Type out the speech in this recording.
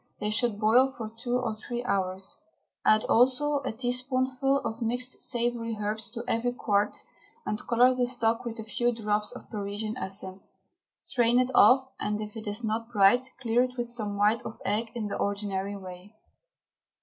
They should boil for two or three hours. Add also a teaspoonful of mixed savoury herbs to every quart, and colour the stock with a few drops of Parisian essence. Strain it off, and, if it is not bright, clear it with some white of egg in the ordinary way.